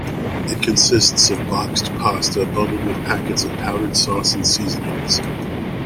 It consists of boxed pasta bundled with packets of powdered sauce and seasonings.